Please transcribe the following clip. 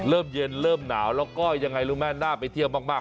เริ่มเย็นเริ่มหนาวแล้วก็ยังไงรู้ไหมน่าไปเที่ยวมาก